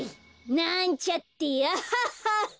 なんちゃってアハハハ！